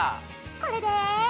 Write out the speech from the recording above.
これで。